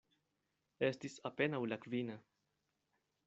Estis apenaŭ la kvina.